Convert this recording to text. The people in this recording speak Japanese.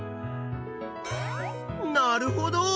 なるほど！